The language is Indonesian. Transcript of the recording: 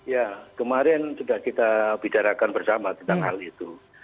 ya kemarin sudah kita bicarakan bersama tentang hal itu